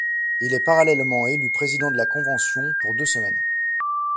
Il est parallèlement élu président de la Convention pour deux semaines.